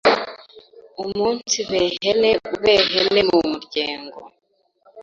Umunsibehene u b e h e n e Mu muryengo,